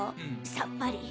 さっぱり。